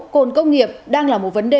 còn công nghiệp đang là một vấn đề